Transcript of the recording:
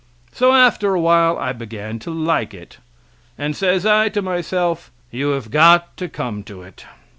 So after while I began to like it, and says I to myself: "You have got to come to it."